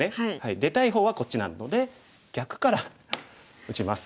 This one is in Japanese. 出たい方はこっちなので逆から打ちます。